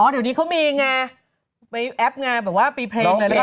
อ๋อตอนนี้เขามีแอพงานดรมนี้เป็นเพลง